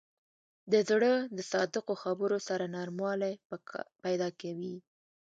زړه د صادقو خبرو سره نرموالی پیدا کوي.